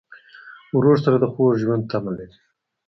ورور سره د خوږ ژوند تمه لرې.